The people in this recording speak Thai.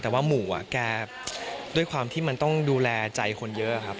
แต่ว่าหมู่แกด้วยความที่มันต้องดูแลใจคนเยอะครับ